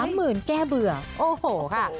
หมื่นแก้เบื่อโอ้โหค่ะ